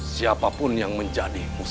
dan kamu akan dengan mudah mencapai tujuan